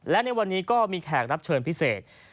และในวันนี้ก็มีแขกรับเชิญพิเศษ